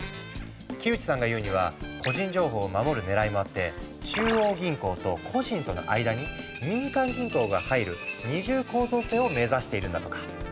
木内さんが言うには個人情報を守る狙いもあって中央銀行と個人との間に民間銀行が入る二重構造性を目指しているんだとか。